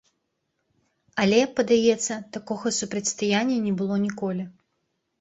Але, падаецца, такога супрацьстаяння не было ніколі.